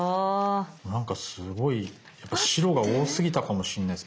なんかすごいやっぱ白が多すぎたかもしんないです。